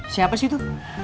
siapa sih itu